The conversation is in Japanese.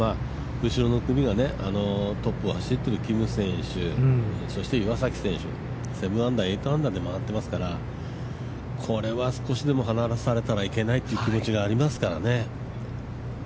後ろの組がトップを走っているキム選手、そして岩崎選手、７アンダー８アンダーで回ってますからこれは少しでも離されたらいけないっていう気持ちがありますからね。